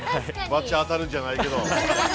◆罰当たるじゃないけど。